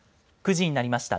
９時になりました。